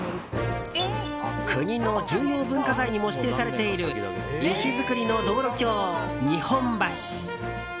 国の重要文化財にも指定されている石造りの道路橋、日本橋。